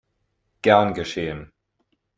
Gern geschehen!